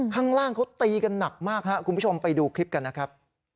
ข้างล่างเขาตีกันหนักมากครับคุณผู้ชมไปดูคลิปกันนะครับ